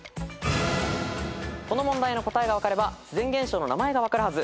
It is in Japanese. この問題の答えが分かれば自然現象の名前が分かるはず。